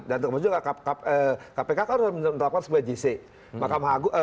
dan kemudian kpk harus menerapkan sebagai gc